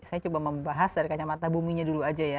saya coba membahas dari kacamata buminya dulu aja ya